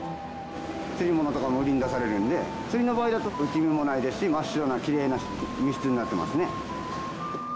釣りものとかも売りに出されるんで釣りの場合だと打ち身もないですし真っ白なきれいな身質になってますね。